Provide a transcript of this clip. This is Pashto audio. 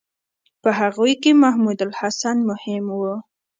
په هغوی کې محمودالحسن مهم و.